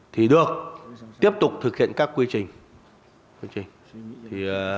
thì được tiếp tục thực hiện các quy trình